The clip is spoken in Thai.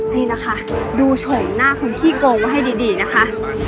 นี่นะคะดูโฉมหน้าคนที่โกงให้ดีนะคะ